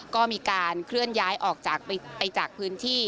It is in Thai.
ก็มีการเคลื่อนย้ายออกไปจากพื้นที่